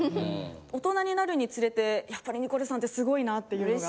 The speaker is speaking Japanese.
大人になるにつれてやっぱりニコルさんってすごいなっていうのが。